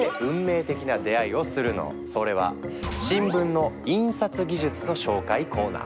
そこでそれは新聞の印刷技術の紹介コーナー。